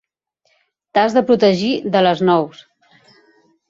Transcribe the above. T'has de protegir de les nous.